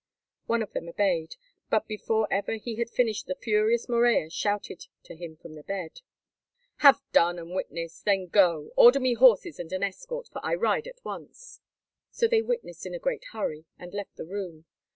One of them obeyed, but before ever he had finished the furious Morella shouted to them from the bed: "Have done and witness, then go, order me horses and an escort, for I ride at once." So they witnessed in a great hurry, and left the room.